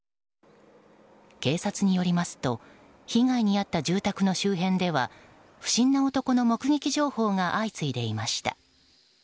警察によりますと被害に遭った住宅の周辺では不審な男の目撃情報が相次いでいました。